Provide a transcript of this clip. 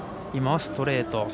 今はストレート。